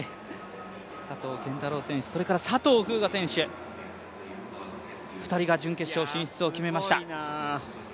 佐藤拳太郎選手、それから佐藤風雅選手、２人が準決勝進出を決めました。